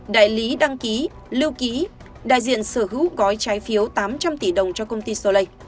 đại lý đăng ký lưu ký đại diện sở hữu cói trái phiếu tám trăm linh tỷ đồng cho công ty solay